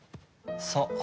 そう。